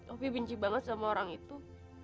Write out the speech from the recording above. opi benci banget sama orang itu